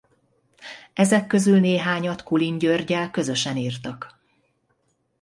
Ezek közül néhányat Kulin Györggyel közösen írtak.